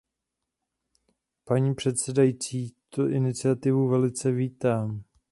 Paní předsedající, tuto iniciativu velice vítám.